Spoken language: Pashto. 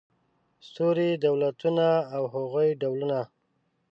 ستوري دولتونه او د هغوی ډولونه